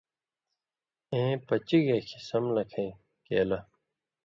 اَیں پچی گے کھیں سم لکھَیں کیلہ